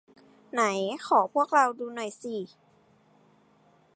ไหนขอพวกเราดูหน่อยสิ